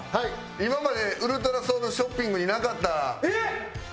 今までウルトラソウルショッピングになかった救済企画。